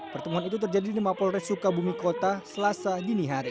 pertemuan itu terjadi di mapol resuka bumi kota selasa dini hari